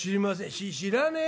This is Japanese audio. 「し知らねえ？